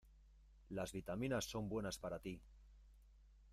Las vitaminas son buenas para tí.